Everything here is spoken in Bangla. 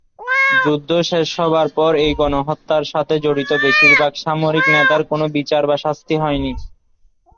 যুদ্ধ শেষ হবার পর এই গণহত্যার সাথে জড়িত বেশির ভাগ সামরিক নেতার কোন বিচার বা শাস্তি হয়নি।